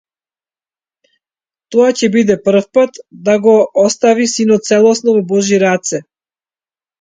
Тоа ќе биде првпат да го остави синот целосно во божји раце.